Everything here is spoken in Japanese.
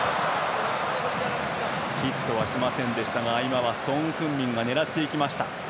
ヒットはしませんでしたがソン・フンミンが狙っていきました。